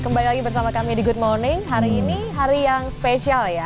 kembali lagi bersama kami di good morning hari ini hari yang spesial ya